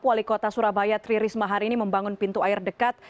wali kota surabaya tri risma hari ini membangun pintu air dekat